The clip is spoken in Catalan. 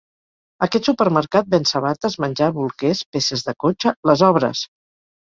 Aquest supermercat ven sabates, menjar, bolquers, peces de cotxe... les obres!